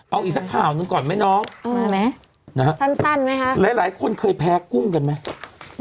เอาอีกสักข่าวหนึ่งก่อนไหมน้องนะฮะหลายคนเคยแพ้กุ้งกันไหม